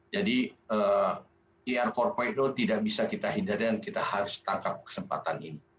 jadi industri revolusi empat tidak bisa kita hindari dan kita harus tangkap kesempatan ini